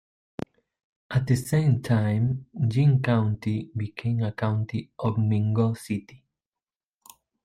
At the same time, Yin county became a county of Ningbo city.